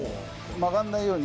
曲がんないように。